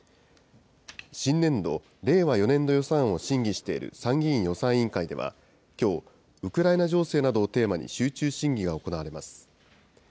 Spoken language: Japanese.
新年度・令和４年度予算案を審議している参議院予算委員会では、きょう、ウクライナ情勢などをテーマに集中審議が行われます。